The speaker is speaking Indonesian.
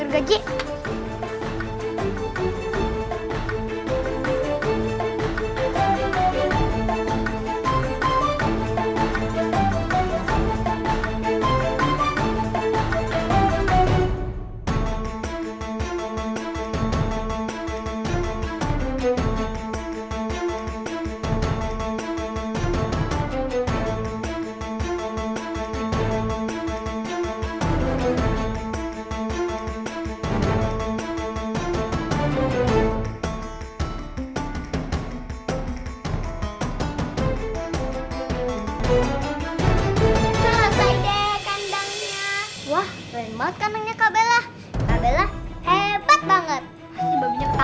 kalau anak cewek